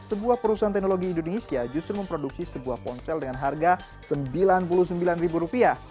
sebuah perusahaan teknologi indonesia justru memproduksi sebuah ponsel dengan harga rp sembilan puluh sembilan